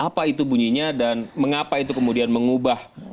apa itu bunyinya dan mengapa itu kemudian mengubah